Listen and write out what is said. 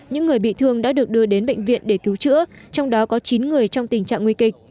những người bị thương đã được đưa đến bệnh viện để cứu chữa trong đó có chín người trong tình trạng nguy kịch